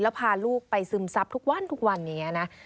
แล้วพาลูกไปซึมซับทุกวันทุกวันนี้นะ